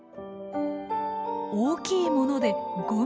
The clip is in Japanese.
大きいもので５ｍｍ。